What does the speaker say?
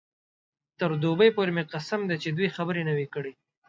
تر دوبۍ پورې مې قسم دی چې دوې خبرې نه وې کړې.